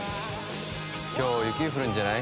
今日雪降るんじゃない？